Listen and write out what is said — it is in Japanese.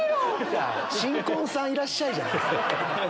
『新婚さんいらっしゃい！』じゃないですか。